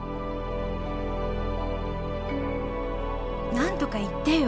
何とか言ってよ！